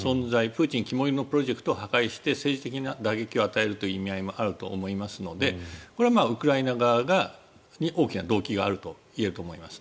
プーチン肝煎りのプロジェクトを破壊して政治的に打撃を与えるという目的もあると思いますのでこれはウクライナ側に大きな動機があると言えると思います。